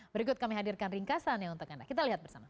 berikut kami hadirkan ringkasannya untuk anda kita lihat bersama